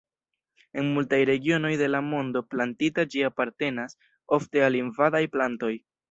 En multaj regionoj de la mondo plantita ĝi apartenas ofte al invadaj plantoj.